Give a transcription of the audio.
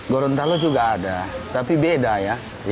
gorontalo juga ada tapi beda ya